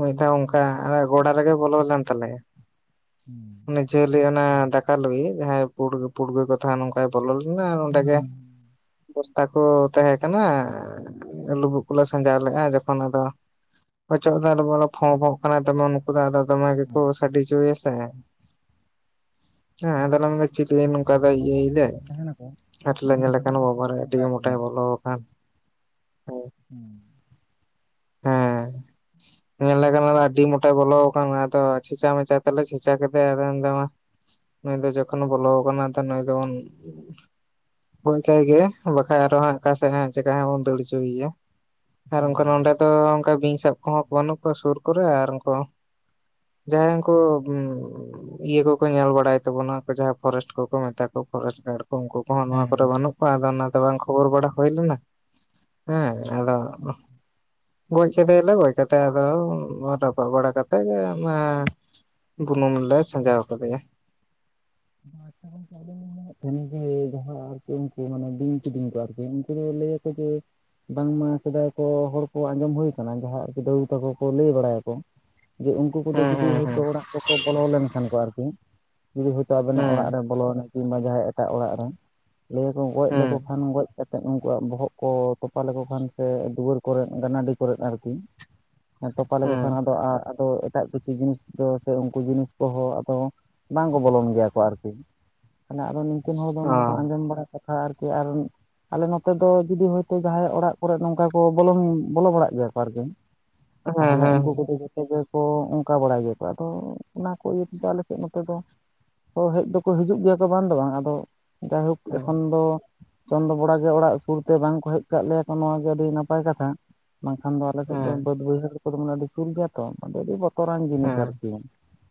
ᱢᱤᱫ ᱫᱷᱟᱶ ᱚᱱᱠᱟ, ᱜᱳᱲᱟ ᱨᱮᱜᱮ ᱵᱚᱞᱚ ᱞᱮᱱ ᱛᱟᱞᱮᱭᱟ᱾ [UNINTELLIGIBLE] ᱡᱷᱟᱹᱞᱭᱤᱡ ᱚᱱᱟ ᱫᱟᱠᱟ ᱞᱩᱭᱤᱡ ᱡᱟᱦᱟᱭ ᱯᱩᱲ ᱯᱩᱲᱜᱟᱹ ᱱᱚᱝᱠᱟᱭ ᱵᱚᱞ ᱞᱮᱱᱟᱭ, ᱚᱸᱰᱮ ᱦᱩᱸ ᱜᱮ ᱵᱚᱥᱛᱟ ᱠᱚ ᱛᱟᱦᱮᱸ ᱠᱟᱱᱟ ᱞᱩᱵᱩᱜ ᱠᱚᱞᱮ ᱥᱟᱡᱟᱣ ᱞᱮᱫᱼᱟ, ᱡᱚᱠᱷᱚᱱ ᱟᱫᱚ ᱚᱪᱚᱜ ᱫᱚ ᱵᱚᱞ ᱯᱷᱚ ᱯᱷᱚᱜ ᱠᱟᱱᱟᱭ, ᱫᱚᱢᱮ ᱩᱱᱠᱩ ᱫᱚ ᱟᱫᱚ ᱫᱚᱢᱮ ᱜᱮᱠᱚ ᱦᱩᱸ ᱥᱟᱰᱮ ᱦᱚᱪᱚᱭᱟ᱾ ᱛᱟᱦᱮᱸ ᱦᱮᱸ ᱩᱱᱠᱩ ᱟᱫᱚᱞᱮ ᱫᱚ ᱢᱮᱱᱫᱟ ᱠᱟᱹᱴᱤᱡ ᱠᱚ ᱪᱤᱞᱤ ᱱᱚᱝᱠᱟ ᱫᱚ ᱚᱱᱠᱟᱱ ᱤᱭᱟᱹᱭ ᱚᱵᱚᱥᱛᱟ ᱫᱟ, ᱨᱮᱠᱚ ᱛᱟᱦᱮᱱᱟᱠᱚ ᱟᱨᱮ ᱩᱱᱠᱩ ᱫᱚ ᱧᱮᱞ ᱠᱟᱹᱴᱤᱡ ᱠᱟᱱᱟ ᱫᱚᱠᱚ ᱵᱟᱵᱟᱨᱮ ᱟᱹᱰᱤ ᱚᱱᱠᱟᱭᱮᱫ ᱜᱮᱭᱟ ᱢᱚᱴᱟᱭ ᱠᱚ ᱵᱚᱞᱚ ᱟᱨ ᱦᱮᱸ᱾ ᱦᱩᱸ᱾ ᱧᱮᱞᱮ ᱠᱟᱱᱟ ᱞᱮ ᱟᱹᱰᱤ ᱢᱚᱴᱟᱭ ᱵᱚᱞᱚ ᱟᱠᱟᱱᱟ᱾ ᱟᱫᱚ ᱠᱷᱮᱪᱟ ᱢᱮᱪᱟ ᱛᱟᱦᱞᱮ ᱠᱷᱮᱪᱟ ᱠᱮᱫᱮᱭᱟ ᱟᱫᱚ ᱢᱟ, ᱱᱩᱭ ᱫᱚ ᱡᱚᱠᱷᱚᱱ ᱵᱚᱞᱚ ᱟᱠᱟᱱᱟ ᱱᱩᱭ ᱫᱚᱵᱚᱱ ᱜᱚᱡᱽ ᱠᱟᱭ ᱜᱮ, ᱵᱟᱠᱟᱱ ᱟᱨᱚ ᱦᱟᱸᱜ ᱚᱠᱟᱥᱮᱫ ᱪᱮᱠᱟ ᱦᱟᱸᱜ ᱵᱚᱱ ᱫᱟᱹᱲ ᱦᱚᱪᱚᱭᱮᱭᱟ᱾ ᱟᱨ ᱚᱱᱠᱟ ᱱᱚᱰᱮ ᱦᱮᱸ ᱫᱚ, ᱚᱱᱠᱟ ᱵᱤᱧ ᱥᱟᱵ ᱠᱚᱦᱚᱸ ᱵᱟᱹᱱᱩᱜ ᱠᱚᱣᱟ ᱥᱩᱨ ᱠᱚᱨᱮ ᱟᱨ ᱩᱱᱠᱩ ᱡᱟᱦᱟᱸᱭ ᱩᱱᱠᱩ ᱤᱭᱟᱹ ᱠᱚᱠᱚ ᱧᱮᱞ ᱵᱟᱲᱟᱭ ᱛᱟᱵᱚᱱᱟ᱾ ᱡᱟᱦᱟᱸᱭ ᱯᱷᱚᱨᱮᱥᱴ ᱠᱚᱠᱚ ᱢᱮᱛᱟ ᱠᱚᱣᱟ ᱯᱷᱚᱨᱮᱥᱴ ᱜᱟᱨ ᱠᱚ ᱩᱱᱠᱩ ᱠᱚ᱾ ᱠᱚᱦᱚ ᱱᱚᱣᱟ ᱠᱚᱨᱮ ᱵᱟᱹᱱᱩᱜ ᱠᱚᱣᱟ, ᱟᱫᱚ ᱚᱱᱟᱛᱮ ᱵᱟᱝ ᱠᱷᱚᱵᱚᱨ ᱵᱟᱲᱟ ᱦᱩᱭ ᱞᱮᱱᱟ᱾ ᱦᱮᱸ ᱟᱫᱚ, ᱜᱚᱡᱽ ᱠᱮᱫᱮᱭᱟᱞᱮ ᱜᱚᱡ ᱠᱟᱛᱮᱜ ᱟᱫᱚ, ᱨᱟᱯᱟᱜ ᱵᱟᱲᱟ ᱠᱟᱛᱮᱜ ᱜᱮ ᱵᱩᱱᱩᱢ ᱨᱮᱞᱮ ᱥᱟᱡᱟᱣ ᱠᱟᱫᱮᱭᱟ᱾ ᱟᱪᱪᱷᱟ ᱜᱟᱝᱠᱮ ᱾ ᱡᱟᱦᱟᱸ [UNINTELLIGIBLE] ᱟᱨᱠᱤ ᱩᱱᱠᱩ ᱢᱟᱱᱮ ᱵᱤᱧ ᱠᱤᱫᱤᱧ ᱠᱚ ᱟᱨᱠᱤ ᱩᱱᱠᱩ ᱫᱚ ᱞᱟᱹᱭᱟᱠᱚ ᱡᱮ ᱵᱟᱝᱢᱟ ᱥᱮᱫᱟᱭ ᱠᱚ ᱦᱚᱲ ᱠᱚ ᱟᱸᱡᱚᱢ ᱦᱩᱭ ᱟᱠᱟᱱᱟ, ᱡᱟᱦᱟᱸ ᱟᱨᱠᱤ ᱫᱟᱫᱩ ᱛᱟᱠᱚ ᱠᱚ ᱞᱟᱹᱭ ᱵᱟᱲᱟᱭᱟ ᱟᱠᱚ ᱡᱮ ᱩᱱᱠᱩ ᱠᱚᱫᱚ ᱦᱩᱸ ᱡᱩᱫᱤ ᱦᱩᱸ ᱦᱳᱭᱛᱳ ᱚᱲᱟᱜ ᱠᱚᱠᱚ ᱵᱚᱞᱚ ᱞᱮᱱ ᱠᱷᱟᱱ ᱠᱚ ᱟᱨᱠᱤ, ᱡᱩᱫᱤ ᱦᱳᱭᱛᱳ ᱟᱵᱮᱱᱟᱜ ᱦᱩᱸ ᱚᱲᱟᱜ ᱨᱮ ᱵᱚᱞᱚᱱᱟ ᱠᱤᱱᱵᱟ ᱡᱟᱦᱟᱸᱭ ᱮᱸᱴᱟᱜ ᱚᱲᱟᱜ ᱨᱮ, ᱞᱟᱹᱭᱟ ᱠᱚ ᱜᱚᱡ ᱦᱩᱸ ᱞᱮᱠᱚ ᱦᱩᱸ ᱠᱷᱟᱱ ᱜᱚᱡ ᱠᱟᱛᱮ ᱱᱛᱮᱫ ᱩᱱᱠᱩᱣᱟᱜ ᱵᱚᱦᱚᱜ ᱠᱚ ᱛᱚᱯᱟ ᱞᱮᱠᱚ ᱠᱷᱟᱱ ᱥᱮ, ᱫᱩᱣᱟᱹᱨ ᱠᱚᱨᱮ ᱜᱟᱱᱟᱰᱤ ᱠᱚᱨᱮ ᱟᱨᱠᱤ ᱦᱮᱸ ᱛᱚᱯᱟ ᱞᱮᱠᱚ ᱦᱩᱸ ᱠᱷᱟᱱ ᱟᱫᱚ ᱟᱫ ᱮᱴᱟᱜ ᱠᱤᱪᱷᱩ ᱡᱤᱱᱤᱥ ᱫᱚ ᱥᱮ, ᱩᱱᱠᱩ ᱡᱤᱱᱤᱥ ᱠᱚᱦᱚᱸ ᱟᱫᱚ ᱵᱟᱝ ᱠᱚ ᱵᱚᱞᱚᱱ ᱜᱮᱭᱟ᱾ ᱜᱮᱭᱟ ᱠᱚ ᱟᱨᱠᱤ, ᱛᱟᱦᱮ ᱟᱫᱚ ᱱᱤᱠᱤᱱ ᱦᱚᱲ ᱫᱚ ᱚᱱᱟ ᱚ ᱠᱚᱫᱚ ᱟᱸᱡᱚᱢ ᱵᱟᱲᱟ ᱠᱟᱛᱷᱟ ᱟᱨᱠᱤ ᱟᱨ ᱟᱞᱮ ᱱᱚᱛᱮ ᱫᱚ ᱡᱩᱫᱤ ᱦᱳᱭᱛᱳ ᱡᱟᱦᱟᱸᱟᱭ ᱚᱲᱟᱜ ᱠᱚᱨᱮ ᱱᱚᱝᱠᱟ ᱠᱚ ᱵᱚᱞ ᱵᱚᱞᱚ ᱵᱟᱲᱟᱜ ᱜᱮᱭᱟ ᱠᱚ ᱟᱨᱠᱤ᱾ ᱦᱮᱸ ᱦᱮᱸ ᱛᱟᱦᱚᱞᱮ ᱩᱱᱠᱩ ᱠᱚᱫᱚ ᱡᱷᱚᱛ ᱜᱮ ᱠᱚ ᱚᱱᱠᱟ ᱵᱟᱲᱟᱭ ᱜᱮᱭᱟ ᱠᱚ, ᱟᱫᱚ ᱚᱱᱟ ᱠᱚ ᱤᱭᱟᱹ ᱛᱮᱫᱚ ᱟᱞᱮᱥᱮᱫ ᱱᱚᱛᱮ ᱫᱚ ᱦᱮᱡ ᱫᱚᱠᱚ ᱦᱤᱡᱩᱜ ᱜᱮᱭᱟ ᱠᱚ ᱵᱟᱝ ᱫᱚ ᱵᱟᱝ, ᱟᱫᱚ ᱡᱟᱭᱦᱳᱠ ᱦᱮᱸ ᱮᱠᱷᱚᱱ ᱫᱚ ᱪᱚᱱᱫᱚ ᱵᱳᱲᱟ ᱜᱮ ᱚᱲᱟᱜ ᱥᱩᱨᱛᱮ ᱵᱟᱝᱠᱚ ᱦᱮᱡ ᱠᱟᱜ ᱞᱮᱭᱟᱠᱚ ᱱᱚᱣᱟ ᱜᱮ, ᱟᱹᱰᱤ ᱱᱟᱯᱟᱭ ᱠᱟᱛᱷᱟ ᱵᱟᱝ ᱠᱷᱟᱱ ᱫᱚ ᱟᱞᱮ ᱥᱮᱫ ᱫᱚ ᱦᱮᱸ ᱵᱟᱹᱫᱽ ᱵᱟᱹᱭᱦᱟᱹᱲ ᱠᱚ ᱫᱚ ᱢᱟᱱᱮ ᱟᱹᱰᱤ ᱥᱩᱨ ᱜᱮᱭᱟ ᱛᱚ ᱟᱹᱰᱤ ᱵᱚ ᱛᱚᱨᱟᱱ ᱡᱤᱱᱤᱥ ᱦᱮᱸ ᱟᱨᱠᱤ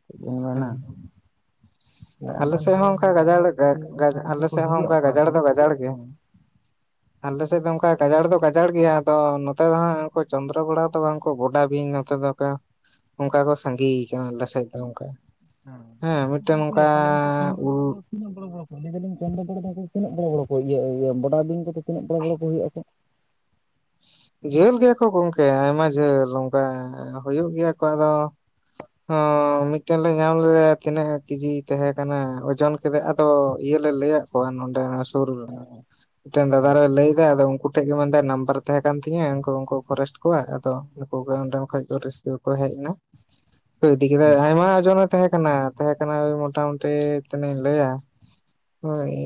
ᱪᱮᱫ ᱤᱧ ᱢᱮᱱᱟ, ᱦᱮᱸ ᱟᱞᱮ ᱟᱵᱮᱱ ᱥᱮᱫ ᱦᱚᱸ ᱚᱝᱠᱟ ᱧᱮᱞ ᱜᱟᱡᱟᱲ ᱵᱮᱱ ᱡᱩᱫᱤ ᱚᱱᱠᱟ ᱡᱩᱫᱤ ᱟᱞᱮ ᱠᱚ ᱥᱮᱫ ᱦᱚᱸ ᱦᱤᱡᱩᱜ ᱚᱱᱠᱟ ᱟᱠᱚ ᱜᱟᱡᱟᱲ ᱟᱨᱠᱤ ᱫᱚ ᱜᱟᱡᱟᱲ ᱜᱮ, ᱦᱮᱸ ᱟᱞᱮᱥᱮᱫ ᱫᱚ ᱚᱱᱠᱟ ᱜᱟᱡᱟᱲ ᱫᱚ ᱜᱟᱡᱟᱲ ᱜᱮᱭᱟ ᱟᱫᱚ ᱱᱚᱛᱮ ᱫᱚ ᱦᱟᱸᱜ ᱩᱱᱠᱩ ᱪᱚᱱᱫᱽᱨᱚ ᱜᱚᱲᱟ ᱛᱚ ᱵᱟᱝ ᱠᱚ ᱵᱚᱰᱟ ᱵᱤᱧ ᱱᱚᱛᱮ ᱫᱚ ᱠᱟ ᱚᱱᱠᱟ ᱠᱚ ᱥᱟᱸᱜᱤ ᱠᱟᱱᱟ ᱟᱞᱮ ᱥᱮᱫ ᱫᱚ ᱚᱱᱠᱟ᱾ ᱦᱮᱸ ᱢᱤᱫᱴᱮᱱ ᱜᱚᱝᱠᱮ ᱱᱚᱝᱠᱟ ᱛᱟᱦᱚᱞᱮ ᱩᱱᱠᱩ ᱪᱚᱱᱫᱚ ᱩ ᱵᱚᱲᱟ ᱫᱚ ᱛᱤᱱᱟᱹᱜ ᱵᱚᱲᱚ ᱵᱚᱲᱚ ᱠᱚ? ᱞᱟᱹᱭᱤᱧ ᱪᱚᱸᱱᱫᱚ ᱵᱚᱲᱚ ᱛᱤᱱᱟᱹᱜ ᱵᱚᱲᱚ ᱵᱚᱲᱚ ᱠᱚ ᱤᱭᱟᱹ ᱵᱚᱰᱟ ᱵᱤᱧ ᱠᱚ ᱫᱚ ᱛᱤᱱᱟᱹᱜ ᱵᱚᱲᱚ ᱵᱚᱲᱚ ᱠᱚ ᱦᱩᱭᱩᱜ ᱟᱠᱚ? ᱡᱷᱟᱹᱞ ᱜᱮᱭᱟ ᱠᱚ ᱜᱚᱝᱠᱮ ᱟᱭᱢᱟ ᱡᱷᱟᱹᱞ ᱚᱝᱠᱟ ᱦᱩᱭᱩᱜ ᱜᱮᱭᱟ ᱠᱚ ᱟᱫᱚ ᱦᱚᱸ ᱢᱤᱫᱴᱮᱱ ᱞᱮ ᱧᱟᱢ ᱞᱮᱫᱟᱭᱟ ᱛᱤᱱᱟᱹᱜ ᱠᱮᱡᱤ ᱛᱟᱦᱮᱸ ᱠᱟᱱᱟ ᱚᱡᱳᱱ ᱠᱮᱫᱮ ᱟᱫᱚ ᱤᱭᱟᱹ ᱞᱮ ᱞᱟᱹᱭ ᱟᱫ ᱠᱚᱣᱟ ᱱᱚᱸᱰᱮ ᱥᱩᱨ ᱨᱮ ᱢᱤᱫᱴᱮᱱ ᱫᱟᱫᱟ ᱦᱮᱸ ᱟᱨᱮ ᱞᱟᱹᱭ ᱫᱟᱭ ᱟᱫᱚ ᱩᱱᱠᱩ ᱴᱷᱮᱡ ᱜᱮ ᱢᱮᱱ ᱮᱫᱟᱭ ᱱᱟᱢᱵᱟᱨ ᱛᱟᱦᱮ ᱠᱟᱱ ᱛᱤᱧᱟᱹ ᱩᱱᱠᱩ ᱩᱱᱠᱩ ᱯᱷᱚᱨᱮᱥᱴ ᱠᱚᱣᱟ ᱟᱫᱚ ᱩᱱᱠᱩ ᱚᱸᱰᱮ ᱠᱷᱚᱡ ᱨᱟᱹᱥᱠᱟᱹ ᱜᱮ ᱠᱚ ᱦᱮᱡ ᱱᱟ ᱤᱫᱤ ᱠᱮᱫᱟᱭ ᱦᱮᱸ ᱟᱭᱢᱟ ᱚᱡᱳᱱᱮ ᱛᱟᱦᱮᱸ ᱠᱟᱱᱟ ᱛᱟᱦᱮᱸ ᱠᱟᱱᱟᱭ ᱢᱚᱴᱟ-ᱢᱩᱴᱤ ᱛᱤᱱᱟᱹᱜ ᱤᱧ ᱞᱟᱹᱭᱟ ᱦᱚᱭ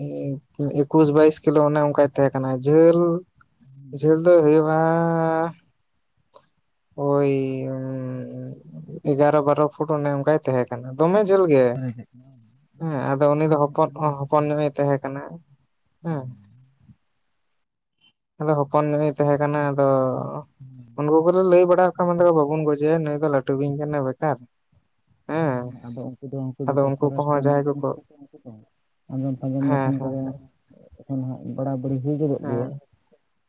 ᱮᱠᱩᱥ ᱵᱟᱭᱤᱥ ᱠᱤᱞᱳ ᱚᱱᱮ ᱚᱱᱠᱟᱭ ᱛᱟᱦᱮᱸ ᱠᱟᱱᱟ ᱡᱷᱟᱹᱞ ᱡᱷᱟᱹᱞ ᱫᱚ ᱦᱩᱭᱩᱜᱼᱟ ᱳᱭ ᱮᱜᱟᱨᱚ ᱵᱟᱨᱚ ᱯᱷᱩᱴ ᱚᱱᱮ ᱚᱝᱠᱟᱭ ᱛᱟᱦᱮᱸ ᱠᱟᱱᱟ ᱫᱚᱢᱮ ᱡᱷᱟᱹᱞ ᱜᱮ ᱦᱮᱸ ᱦᱮᱸ ᱟᱫᱚ ᱩᱱᱤ ᱫᱚ ᱦᱚᱯᱚᱱ ᱦᱚᱸ ᱦᱚᱯᱚᱱ ᱧᱚᱜ ᱮ ᱛᱟᱦᱮᱸ ᱠᱟᱱᱟ᱾ ᱦᱮᱸ ᱦᱩᱸ᱾ ᱟᱫᱚ ᱦᱚᱯᱚᱱ ᱧᱚᱜ ᱤ ᱛᱟᱦᱮᱸ ᱠᱟᱱᱟ ᱟᱫᱚ ᱩᱱᱠᱩ ᱠᱚ ᱫᱚ ᱞᱮ ᱞᱟᱹᱭ ᱵᱟᱲᱟ ᱟᱠᱚᱣᱟ ᱵᱟᱵᱚᱱ ᱜᱚᱡᱮᱭᱟ ᱱᱩᱭ ᱫᱚ ᱞᱟᱹᱴᱩ ᱴᱩ ᱵᱤᱧ ᱠᱟᱱᱟᱭ ᱵᱮᱠᱟᱨ ᱦᱮᱸ ᱦᱩᱸ ᱟᱫᱚ ᱩᱱᱠᱩ ᱫᱚ ᱩᱱᱠᱩ ᱟᱫᱚ ᱡᱷᱚᱛᱚ ᱯᱷᱚᱨᱮᱥᱴ ᱠᱚᱦᱚᱸ ᱡᱟᱦᱟᱸᱭ ᱠᱚᱠᱚ [INAUDIBLE] ᱟᱸᱡᱚᱢ ᱟᱸᱡᱚᱢ ᱦᱮᱸ ᱞᱮᱠᱷᱟᱱ ᱠᱚ ᱦᱮᱸ ᱫᱚ ᱮᱠᱷᱚᱱ ᱦᱟᱸᱜ ᱵᱟᱲᱟ ᱵᱟᱹᱲᱤ ᱦᱩᱭ ᱜᱚᱫᱚᱜ ᱦᱮᱸ ᱜᱮᱭᱟ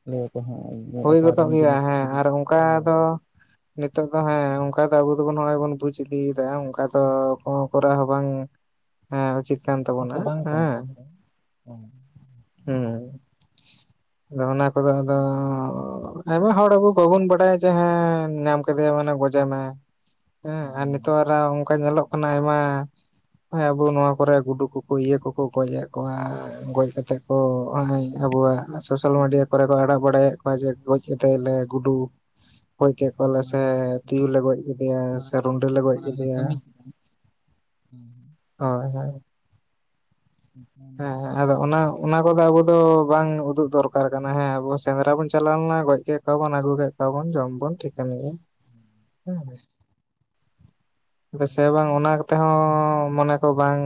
ᱞᱟᱹᱭ ᱟᱠᱚ ᱦᱟᱸᱜ ᱡᱮ ᱦᱩᱭ ᱜᱚᱫᱚᱜ ᱚᱠᱟᱨᱮᱱ ᱜᱮᱭᱟ ᱡᱤᱱᱤᱥ ᱦᱮᱸ ᱪᱤᱞᱤ ᱟᱨ ᱚᱝᱠᱟ ᱫᱚ ᱦᱮᱸ ᱱᱤᱛᱚᱜ ᱫᱚ ᱦᱮᱸ ᱚᱝᱠᱟ ᱫᱚ ᱟᱵᱚ ᱫᱚ ᱵᱚᱱ ᱱᱚᱜᱼᱚᱭ ᱵᱚᱱ ᱵᱩᱡᱽ ᱤᱫᱤ ᱮᱫᱟ ᱚᱱᱠᱟ ᱫᱚ ᱠᱚᱨᱟᱣ ᱦᱚᱸ ᱵᱟᱝ ᱦᱮᱸ ᱩᱪᱤᱛ ᱠᱟᱱ ᱛᱚ ᱛᱟᱵᱚᱱᱟ ᱵᱟᱝ ᱠᱟᱱᱟ ᱦᱮᱸ᱾ ᱟᱨᱠᱤ ᱦᱮᱸ ᱦᱩᱸ ᱟᱫᱚ ᱚᱱᱟ ᱠᱚ ᱫᱚ ᱟᱫᱚ ᱟᱵᱚ ᱦᱚᱲ ᱟᱵᱚ ᱵᱟᱵᱚᱱ ᱵᱟᱰᱟᱭᱟ ᱡᱮ ᱦᱮᱸ ᱧᱟᱢ ᱠᱮᱫᱮᱭᱟ ᱢᱟᱱᱮ ᱜᱚᱡᱮ ᱢᱮ, ᱦᱮᱸ ᱟᱨ ᱟᱫᱚ ᱱᱤᱛᱚᱜ ᱨᱟᱜ ᱚᱝᱠᱟ ᱧᱮᱞᱚᱜ ᱠᱟᱱᱟ ᱟᱭᱢᱟ ᱱᱚᱜᱼᱚᱭ ᱟᱵᱚ ᱱᱚᱣᱟ ᱠᱚ ᱨᱮ ᱜᱩᱰᱩ ᱠᱚ ᱠᱚ ᱤᱭᱟᱹ ᱠᱚ ᱠᱚ ᱜᱚᱡᱮᱫ ᱠᱚᱣᱟ ᱜᱚᱡ ᱠᱟ ᱛᱮᱠᱚ ᱱᱚᱜᱼᱚᱭ ᱟᱵᱚᱣᱟᱜ ᱥᱚᱥᱟᱹᱞ ᱢᱤᱰᱤᱭᱟ ᱠᱚ ᱨᱮ ᱠᱚ ᱟᱲᱟᱜ ᱵᱟᱲᱟᱭᱮᱫ ᱠᱚᱣᱟ ᱞᱮ ᱜᱚᱡ ᱠᱟᱛᱮ ᱞᱮ ᱜᱩᱰᱩ ᱜᱚᱡ ᱠᱮᱫ ᱠᱚᱣᱟ ᱟᱹᱰᱤ ᱞᱮ ᱥᱮ ᱢᱟᱨᱟᱝ ᱟᱹᱰᱤ ᱛᱩᱭᱩ ᱞᱮ ᱜᱚᱡ ᱠᱮᱫᱮᱭᱟ ᱥᱮ ᱢᱟᱨᱟᱝ ᱨᱩᱸᱰᱟᱹ ᱞᱮ ᱟᱹᱰᱤ ᱜᱚᱡ ᱢᱟᱨᱟᱝ ᱠᱮᱫᱮᱭᱟ ᱠᱟᱹᱢᱤ ᱠᱮᱫᱟ ᱦᱮᱸ ᱦᱮᱸ ᱦᱳᱭ ᱦᱳᱭ᱾ ᱮᱱᱠᱷᱟᱱ ᱚᱱᱟ ᱦᱮᱸ ᱦᱮᱸ ᱠᱚᱫᱚ ᱟᱫᱚ ᱚᱱᱟ ᱚᱱᱟ ᱟᱫᱚ ᱟᱵᱚ ᱫᱚ ᱵᱟᱝ ᱩᱫᱩᱜ ᱫᱚᱨᱠᱟᱨ ᱠᱟᱱᱟ ᱦᱮᱸ ᱟᱵᱚ ᱥᱮᱸᱫᱽᱨᱟ ᱵᱚᱱ ᱪᱟᱞᱟᱣ ᱞᱮᱱᱟ ᱜᱚᱡ ᱠᱮᱫ ᱠᱚᱣᱟ ᱵᱚᱱ ᱟᱹᱜᱩ ᱠᱮᱜ ᱠᱚᱣᱟ ᱵᱚᱱ ᱡᱚᱢ ᱵᱚᱱ ᱴᱷᱤᱠᱟᱱ ᱜᱮᱭᱟ ᱦᱮᱸ᱾ ᱟᱫᱚ ᱫᱮᱥᱮ ᱵᱟᱝ ᱜᱚᱝᱠᱮ ᱚᱱᱟ ᱠᱚ ᱛᱮ ᱦᱚᱸ ᱢᱚᱱᱮ ᱠᱚ ᱵᱟᱝ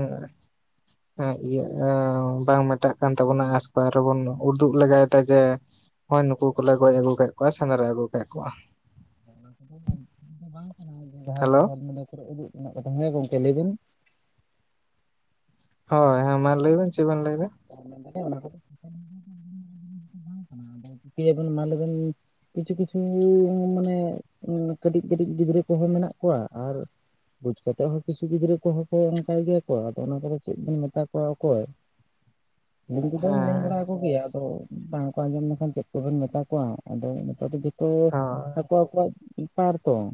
[INAUDIBLE] ᱦᱮᱸ ᱤᱭᱟᱹ ᱵᱟᱝ ᱢᱮᱴᱟᱜ ᱠᱟᱱ ᱛᱟᱵᱚᱱᱟ ᱟᱥᱯᱟᱭ ᱨᱮ ᱵᱚᱱ ᱩᱫᱩᱜ ᱞᱮᱜᱟᱭ ᱫᱟ ᱡᱮ ᱦᱚᱭ ᱱᱩᱠᱩ ᱠᱚᱞᱮ ᱜᱚᱡ ᱟᱹᱜᱩ ᱠᱮᱫ ᱠᱚᱣᱟ ᱥᱮᱸᱫᱽᱨᱟ ᱟᱹᱜᱩ ᱠᱮᱫ ᱠᱚᱣᱟ᱾ ᱫᱚ ᱵᱟᱝ ᱠᱟᱱᱟ ᱡᱟᱦᱟᱸ ᱦᱮᱞᱳ ᱥᱚᱥᱟᱹᱞ ᱢᱤᱰᱤᱭᱟ ᱠᱚ ᱨᱮ ᱩᱫᱩᱜ ᱨᱮᱱᱟᱜ ᱠᱟᱛᱷᱟ ᱦᱮᱸ ᱜᱚᱝᱠᱮ ᱞᱟᱹᱭ ᱵᱤᱱ᱾ ᱦᱳᱭ ᱦᱮᱸ ᱢᱟ ᱞᱟᱹᱭᱵᱮᱱ ᱪᱮᱫ ᱵᱮᱱ ᱞᱟᱹᱭ ᱫᱟ᱾ [UNINTELLIGIBLE] ᱟᱫᱚ ᱪᱤᱠᱟᱹᱭ ᱟᱵᱮᱱ ᱢᱟ ᱞᱮᱭ ᱵᱮᱱ? ᱠᱤᱪᱷᱩ ᱠᱤᱪᱷᱩ ᱢᱟᱱᱮ ᱠᱟᱹᱴᱤᱡ ᱠᱟᱹᱴᱤᱡ ᱜᱤᱫᱽᱨᱟᱹ ᱠᱚ ᱦᱚᱸ ᱢᱮᱱᱟᱜ ᱠᱚᱣᱟ ᱟᱨ ᱵᱩᱡᱽ ᱠᱟᱛᱮᱫ ᱦᱚᱸ ᱠᱤᱪᱷᱩ ᱜᱤᱫᱽᱨᱟᱹ ᱠᱚ ᱦᱚᱸ ᱠᱚ ᱚᱱᱠᱟ ᱜᱮᱭᱟ ᱠᱚ ᱟᱫᱚ ᱚᱱᱟ ᱠᱚ ᱫᱚ ᱪᱮᱫ ᱵᱮᱱ ᱢᱮᱛᱟ ᱠᱚᱣᱟ ᱚᱠᱚᱭ ᱜᱤᱫᱽᱨᱟᱹ ᱠᱚ ᱫᱚᱧ ᱢᱮᱱ ᱵᱟᱲᱟ ᱦᱮᱸ ᱟᱠᱚ ᱜᱮᱭᱟ ᱟᱫᱚ ᱵᱟᱝ ᱠᱚ ᱟᱸᱡᱚᱢ ᱞᱮᱠᱷᱟᱱ ᱪᱮᱫ ᱠᱚ ᱵᱮᱱ ᱢᱮᱛᱟ ᱠᱚᱣᱟ ᱟᱫᱚ ᱱᱤᱛᱚᱜ ᱫᱚ ᱛᱚ ᱦᱳᱭ ᱟᱠᱚ ᱟᱠᱚᱣᱟᱜ ᱵᱮᱯᱟᱨ ᱛᱚ ᱾